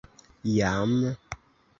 Jam.